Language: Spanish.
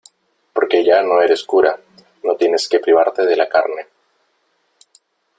porque ya no eres cura , no tienes que privarte de la carne .